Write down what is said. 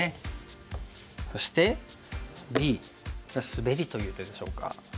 そしてＢスベリという手でしょうか。